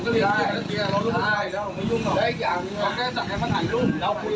ไม่ได้เกี่ยวข้องอะไรในใดซึ่ง